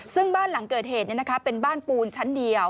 ซึ่งบ้านหลังเกิดเหตุเป็นบ้านปูนชั้นเดียว